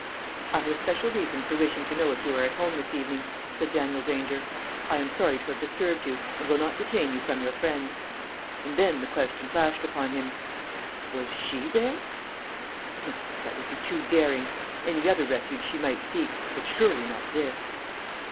"I had a special reason for wishing to know if you were at home this evening," said Daniel Granger. "I am sorry to have disturbed you, and will not detain you from your friends." And then the question flashed upon him Was she there? No; that would be too daring. Any other refuge she might seek; but surely not this.